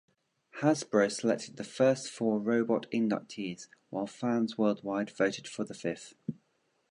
Hasbro selected the first four robot inductees, while fans worldwide voted for the fifth.